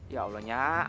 ya allah nyiak